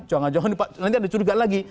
jangan jangan nanti ada curiga lagi